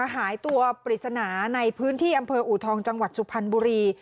หายตัวปริศนาในพื้นที่อำเภออูทองจังหวัดสุพรรณบุรี